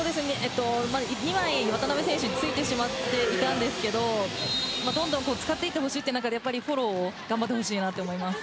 ２枚、渡邊選手についてしまっていたんですけどどんどん使っていってほしいという中でフォローも頑張ってほしいなと思います。